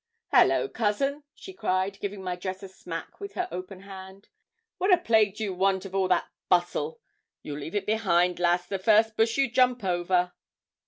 'Hallo, cousin,' she cried, giving my dress a smack with her open hand. 'What a plague do you want of all that bustle; you'll leave it behind, lass, the first bush you jump over.'